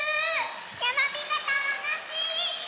やまびこたのしい！